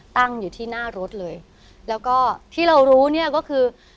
ตั้งอยู่ที่หน้ารถเลยแล้วก็ที่เรารู้เนี่ยก็คือ